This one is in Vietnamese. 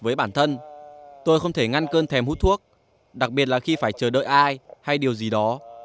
với bản thân tôi không thể ngăn cơn thèm hút thuốc đặc biệt là khi phải chờ đợi ai hay điều gì đó